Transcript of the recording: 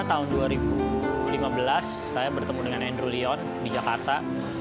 tahun dua ribu lima belas saya bertemu dengan andrew leon di jakarta